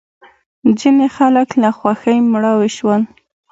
ځینې خلک له خوښۍ مړاوې شول.